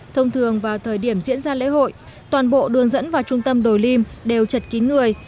thông thường vào thời điểm diễn ra lễ hội toàn bộ đường dẫn vào trung tâm đồi lim đều chật kín người